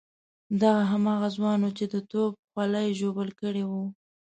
دی هماغه ځوان وو چې د توپ خولۍ ژوبل کړی وو.